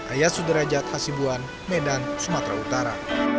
ayat sudrajat hasibuan medan sumatera utara